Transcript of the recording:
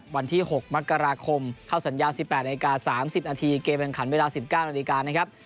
วันที่๖มกราคมเข้าสัญญา๑๘นาที๓๐นาทีเกมแห่งขันเวลา๑๙นาฬิกานะครับ